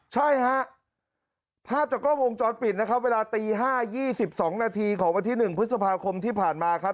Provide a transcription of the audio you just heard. ใช่ฮะภาพจากกล้องวงจรปิดนะครับเวลาตี๕๒๒นาทีของวันที่๑พฤษภาคมที่ผ่านมาครับ